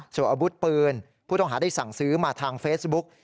ส่วนอาวุธปืนผู้ต้องหาได้สั่งซื้อมาทางเฟซบุ๊ก